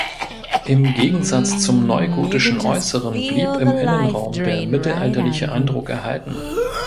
Im Gegensatz zum neugotischen Äußeren blieb im Innenraum der mittelalterliche Eindruck erhalten.